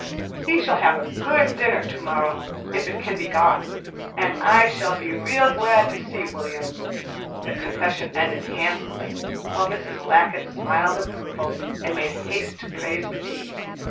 "He shall have a good dinner to morrow, if it can be got, and I shall be real glad to see William," the confession ended handsomely, while Mrs. Blackett smiled approval and made haste to praise the tea.